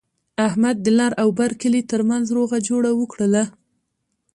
احمد د لر او بر کلي ترمنځ روغه جوړه وکړله.